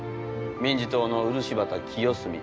民自党の漆畑清澄。